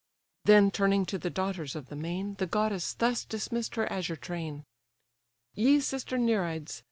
Then turning to the daughters of the main, The goddess thus dismiss'd her azure train: "Ye sister Nereids!